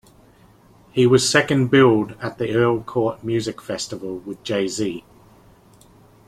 He was second billed at the Earls Court Music festival with Jay-Z.